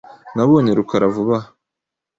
Nabonye rukara vuba aha .